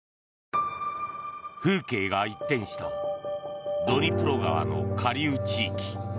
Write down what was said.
風景が一転したドニプロ川の下流地域。